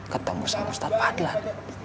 ketemu sama ustadz fadlan